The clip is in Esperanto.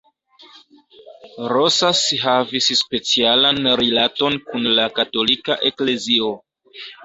Rosas havis specialan rilaton kun la Katolika Eklezio.